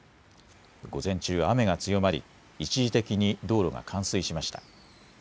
午前中、雨が強まり一時的に道路が冠水しました。